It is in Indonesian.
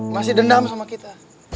masih dendam sama kita